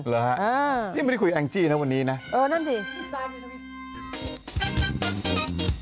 หรือครับนี่ไม่ได้คุยแองจี้นะวันนี้น่ะนั่นสิสามีสามี